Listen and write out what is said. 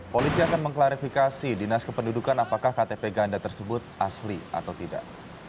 polisi akan mengklarifikasi dinas kependudukan apakah ktp ganda tersebut asli atau tidak